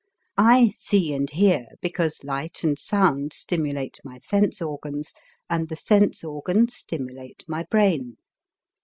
I see and hear because light and sound stimulate my sense organs, and the sense organs stimulate my brain.